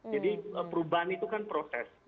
jadi perubahan itu kan proses